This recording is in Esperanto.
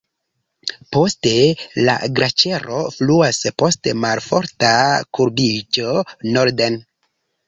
Poste la glaĉero fluas post malforta kurbiĝo norden.